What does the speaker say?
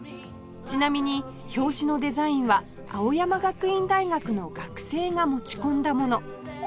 ちなみに表紙のデザインは青山学院大学の学生が持ち込んだもの